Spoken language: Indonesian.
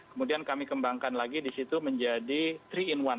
kemudian kami kembangkan lagi di situ menjadi tiga in satu